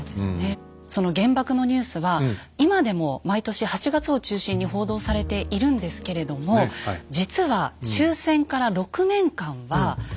その原爆のニュースは今でも毎年８月を中心に報道されているんですけれども実はあらそうなんですか？